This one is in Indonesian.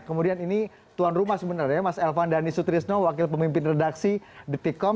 kemudian ini tuan rumah sebenarnya mas elvan danisu trisno wakil pemimpin redaksi dtkom